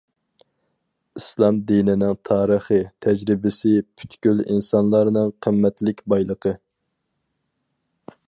ئىسلام دىنىنىڭ تارىخى تەجرىبىسى پۈتكۈل ئىنسانلارنىڭ قىممەتلىك بايلىقى.